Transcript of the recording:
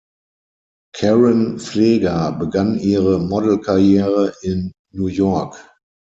Caren Pfleger begann ihre Modelkarriere in New York.